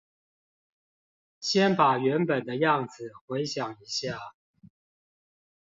先把原本的樣子回想一下